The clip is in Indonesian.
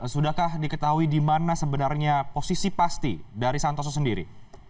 sudahkah diketahui di mana sebenarnya posisi pasti dari santoso sendiri